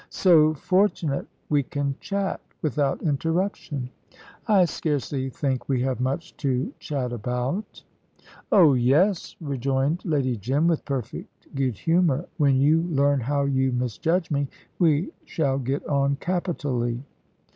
"So fortunate. We can chat without interruption." "I scarcely think we have much to chat about." "Oh yes," rejoined Lady Jim, with perfect good humour. "When you learn how you misjudge me, we shall get on capitally."